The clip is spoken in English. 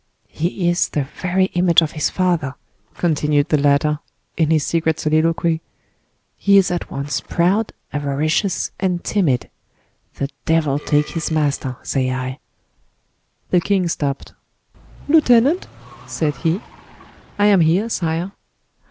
"He is the very image of his father," continued the latter, in is secret soliloquy, "he is at once proud, avaricious, and timid. The devil take his master, say I." The king stopped. "Lieutenant," said he. "I am here, sire."